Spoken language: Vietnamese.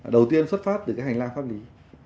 đầu tiên xuất phát từ cái hành lang pháp lý